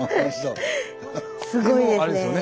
すごいですね。